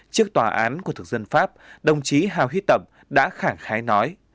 trước tòa án của thực dân pháp đồng chí hà huy tập đã khẳng khai nói